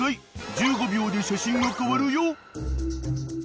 ［１５秒で写真が変わるよ］